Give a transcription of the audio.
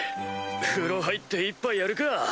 風呂入って一杯やるか。